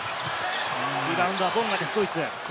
リバウンドはボンガです、ドイツ。